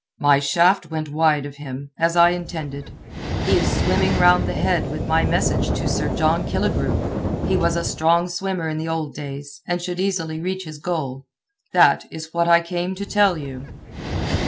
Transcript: My shaft went wide of him, as I intended. He is swimming round the head with my message to Sir John Killigrew. He was a strong swimmer in the old days, and should easily reach his goal. That is what I came to tell you."